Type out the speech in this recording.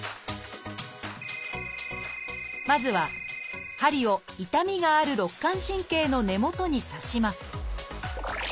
まずは針を痛みがある肋間神経の根元に刺します。